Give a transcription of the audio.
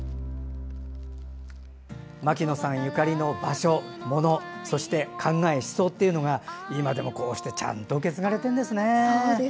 牧野さんゆかりの場所、ものそして考え、思想が今でもちゃんと受け継がれているんですね。